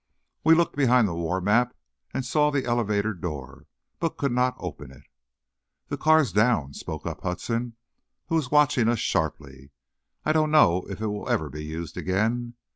We looked behind the war map and saw the elevator door, but could not open it. "The car's down," spoke up Hudson, who was watching us sharply. "I dunno will it ever be used again.